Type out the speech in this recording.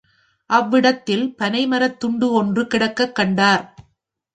அவ்விடத்தில் பனைமரத்துண்டு ஒன்று கிடக்கக்கண்டார்.